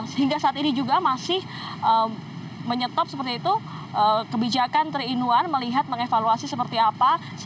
sehingga saat ini juga masih menyetop seperti itu kebijakan terinduan melihat mengevaluasi seperti apa